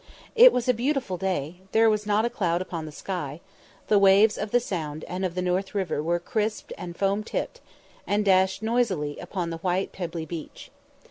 It was a beautiful day; there was not a cloud upon the sky; the waves of the Sound and of the North River were crisped and foam tipped, and dashed noisily upon the white pebbly beach.